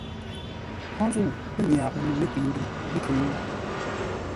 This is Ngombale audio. Hó zə̂u pə́ nyarə no lətəi-ndwuŋ ləkhʉŋ?